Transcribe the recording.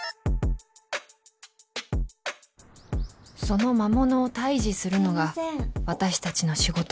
その魔物を退治するのが私たちの仕事。